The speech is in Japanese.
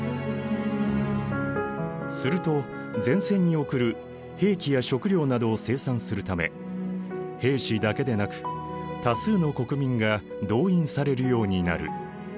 すると前線に送る兵器や食料などを生産するため兵士だけでなく多数の国民が動員されるようになる。